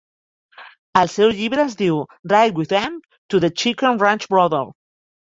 El seu llibre es diu "Ride With Em To The Chicken Ranch Brothel".